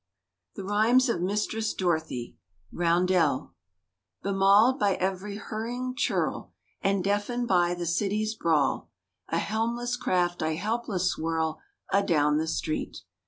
THE RHYMES OF MISTRESS DOROTHY Roundel— Bemauled by ev'ry hurrying churl And deafened by the city's brawl, A helm less craft I helpless swirl Adown the street.